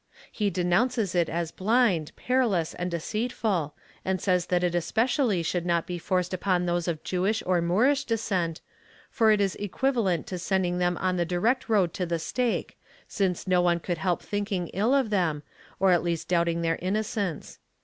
He denounces it as blind, perilous and deceitful, and says that it especially should not be forced upon those of Jewish or Moorish descent, for it is equiva lent to sending them on the direct road to the stake, since no one could help thinking ill of them, or at least doubting their inno cence.